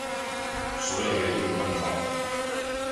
所有嘢都會崩塌